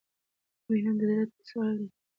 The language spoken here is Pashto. • مینه د زړۀ تسل دی.